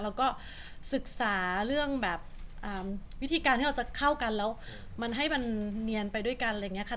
แล้วก็ศึกษาเรื่องแบบวิธีการที่เราจะเข้ากันแล้วมันให้มันเนียนไปด้วยกันอะไรอย่างนี้ค่ะ